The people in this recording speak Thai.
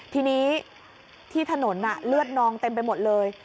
ทีนี้ที่ถนนเลือดนองเต็มไปหมดเลย